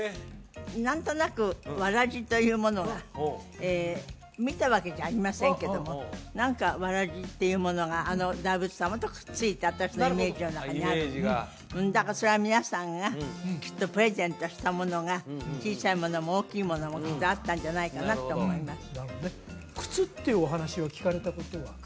なんとなくわらじというものがえ見たわけじゃありませんけども何かわらじっていうものがあの大仏様とくっついた私のイメージの中にあるだからそれは皆さんがきっとプレゼントしたものが小さいものも大きいものもきっとあったんじゃないかなと思いますなるほどね靴ってお話を聞かれたことは？